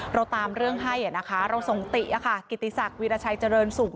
เราตามเรื่องให้นะคะเราส่งติกิติศักดิราชัยเจริญสุข